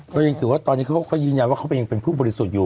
ก็ยังถือว่าตอนนี้เขาก็ยืนยันว่าเขายังเป็นผู้บริสุทธิ์อยู่